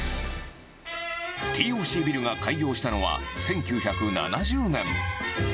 ＴＯＣビルが開業したのは、１９７０年。